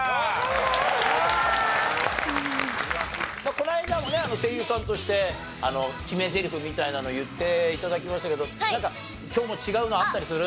この間もね声優さんとして決めゼリフみたいなの言って頂きましたけど今日も違うのあったりする？